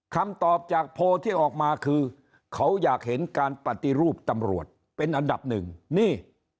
คำตอบจากโพลที่ออกมาคือเขาอยากเห็นการปฏิรูปตำรวจเป็นอันดับหนึ่งนี่